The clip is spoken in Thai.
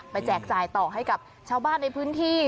แจกจ่ายต่อให้กับชาวบ้านในพื้นที่